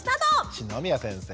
篠宮先生。